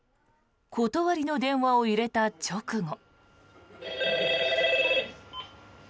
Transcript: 断りの電話を入れた直後。